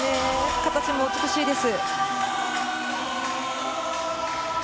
形も美しいです。